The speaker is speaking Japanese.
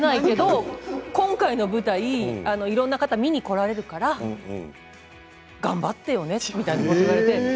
でも今回の舞台はいろいろな方が見に来られるから頑張ってよねみたいなことを言われて。